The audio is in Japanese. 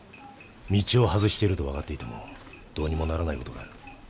道を外していると分かっていてもどうにもならない事がある。